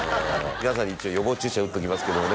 皆さんに一応予防注射打っときますけどもね